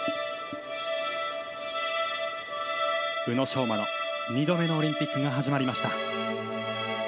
宇野昌磨の２度目のオリンピックが始まりました。